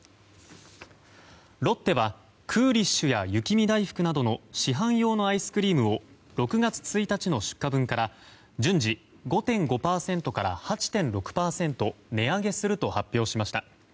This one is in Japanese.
ロッテは、クーリッシュや雪見だいふくなどの市販用のアイスクリームを６月１日の出荷分から順次、５．５％から８．６％値上げすると発表しました。